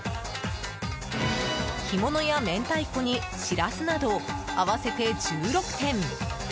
干物や明太子にシラスなど合わせて１６点。